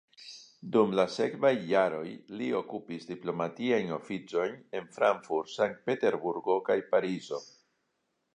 Dum la sekvaj jaroj, li okupis diplomatiajn oficojn en Frankfurt, Sankt-Peterburgo kaj Parizo.